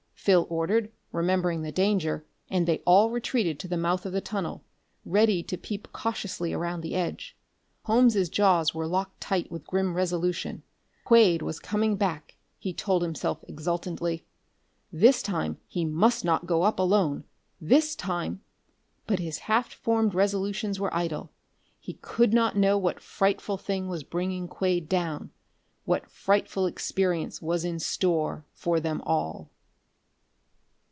Phil ordered, remembering the danger, and they all retreated to the mouth of the tunnel, ready to peep cautiously around the edge. Holmes' jaws were locked tight with grim resolution. Quade was coming back! he told himself exultantly. This time he must not go up alone! This time ! But his half formed resolutions were idle. He could not know what frightful thing was bringing Quade down what frightful experience was in store for them all....